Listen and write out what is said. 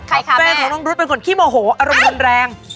ค่ะใครคะแม่แฟนของน้องรุ๊ดเป็นคนขี้โหมโหอารมณ์แรง